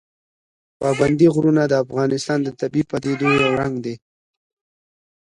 پابندی غرونه د افغانستان د طبیعي پدیدو یو رنګ دی.